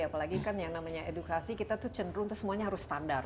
apalagi kan yang namanya edukasi kita tuh cenderung itu semuanya harus standar